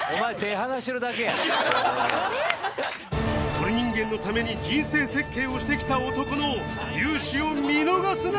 ・『鳥人間』のために人生設計をしてきた男の雄姿を見逃すな！